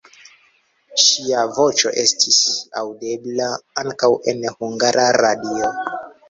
Ŝia voĉo estis aŭdebla ankaŭ en Hungara Radio.